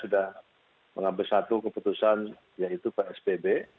sudah mengambil satu keputusan yaitu psbb